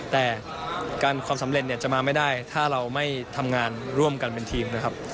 แต่ความสำเร็จเนี่ยจะมาไม่ได้ถ้าเราไม่ทำงานร่วมกันเป็นทีมนะครับ